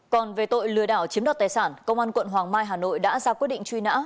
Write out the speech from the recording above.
còn về tội lừa đảo chiếm đoạt tài sản công an quận hoàng mai hà nội đã ra quyết định truy nã